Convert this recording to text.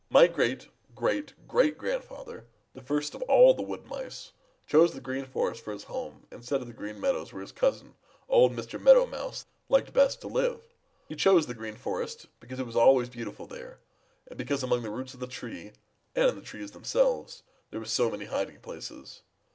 "My great great great grandfather, the first of all the Wood Mice, chose the Green Forest for his home instead of the Green Meadows where his cousin, old Mr. Meadow Mouse, liked best to live. He chose the Green Forest because it was always beautiful there, and because among the roots of the trees and in the trees themselves there were so many hiding places.